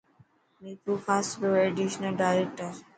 مير پور خاص رو ايڊيشنل ڊائريڪٽر.